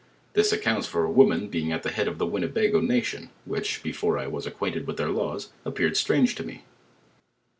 This accounts far a woman being at the head of the Winuebago nation, which, before I was acquainted with their laws, appeared btrange to me.